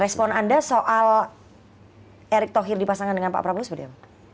respon anda soal erick thohir dipasangkan dengan pak prabowo seperti apa